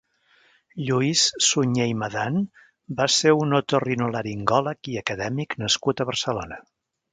Lluís Suñé i Medan va ser un otorinolaringòleg i acadèmic nascut a Barcelona.